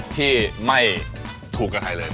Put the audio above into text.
ที่ไม่ถูกกับใครเลย